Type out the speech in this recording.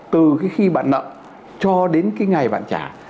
từ cái khi bạn nợ cho đến cái ngày bạn trả